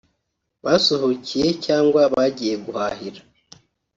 basuhukiye cyangwa bagiye guhahira